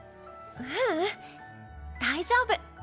ううん大丈夫。